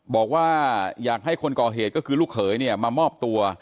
บอกว่าอยากให้คนก่อเหตุก็คือลูกเขยเนี่ยมามอบตัว